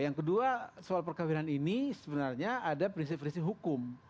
yang kedua soal perkawinan ini sebenarnya ada prinsip prinsip hukum